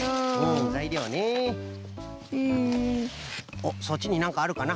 おっそっちになんかあるかな？